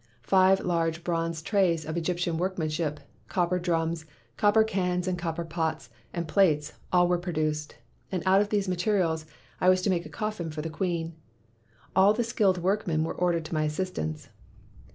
Fine large bronze trays of Egyptian workmanship, copper drums, copper cans and copper pots and plates — all were produced, and out of these materials I was to make a coffin for the queen. All the skilled workmen were ordered to my assistance.